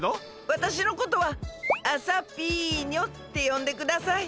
わたしのことはあさぴーにょってよんでください。